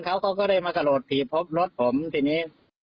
เขาก็เลยมาสะโหลดผีพบรถผมทีนี้